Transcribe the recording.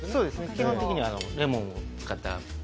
基本的にはレモンを使った。